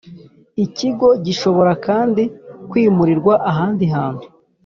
ikigo Gishobora kandi kwimurirwa ahandi hantu